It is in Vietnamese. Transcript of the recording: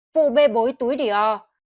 vụ bề bối túi dior